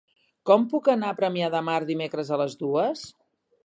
Com puc anar a Premià de Mar dimecres a les dues?